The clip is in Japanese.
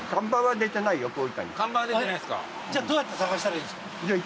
えっじゃあどうやって探したらいいですか？